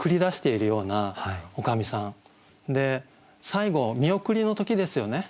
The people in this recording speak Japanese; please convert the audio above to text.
最後見送りの時ですよね